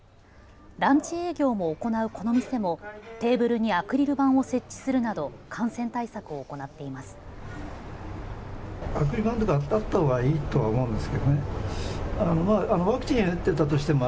ランチ営業も行うこの店もテーブルにアクリル板を設置するなど感染対策を行っています。